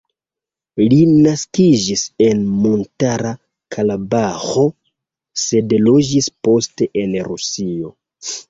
Li naskiĝis en Montara Karabaĥo, sed loĝis poste en Rusio.